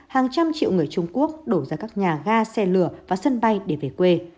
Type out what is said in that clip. hàng trăm triệu người trung quốc đổ ra các nhà ga xe lửa và sân bay để về quê